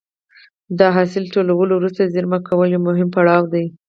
د حاصل ټولولو وروسته زېرمه کول یو مهم پړاو دی.